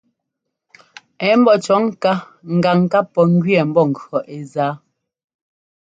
Ɛ̌ mbɔ́ cʉ̈ɔ ŋká gǎŋ ŋkap pɔ̂ njʉɛɛ mbɔnkʉ̈ɔ ɛ́ zá.